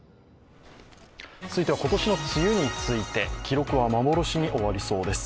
続いては今年の梅雨について記録は幻に終わりそうです。